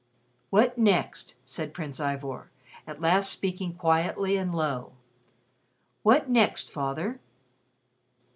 "What next?" said Prince Ivor, at last speaking quietly and low. "What next, Father?"